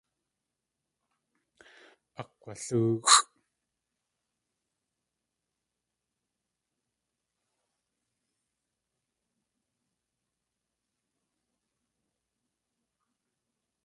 Akg̲walóoxʼ.